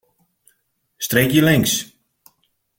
Streekje links.